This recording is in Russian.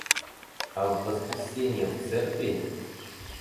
А в воскресенье в церкви?